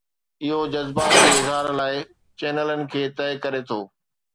اهو جذبات جي اظهار لاء چينلن کي طئي ڪري ٿو.